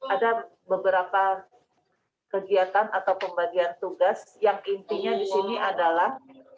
ada beberapa kegiatan atau pembagian tugas yang intinya di sini adalah